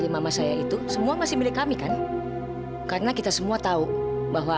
sampai jumpa di video selanjutnya